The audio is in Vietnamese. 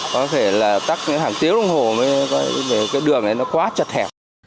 có thể là tắt hàng tiếu đồng hồ đường này nó quá chật hẹp